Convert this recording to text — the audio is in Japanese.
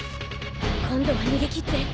今度は逃げ切って。